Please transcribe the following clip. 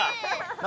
何？